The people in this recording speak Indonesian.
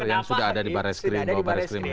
yang sudah ada di barai skrim